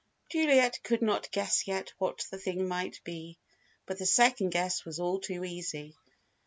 Juliet could not guess yet what the thing might be, but the second guess was all too easy.